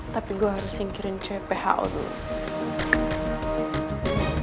tapi gue harus singkirin cpho dulu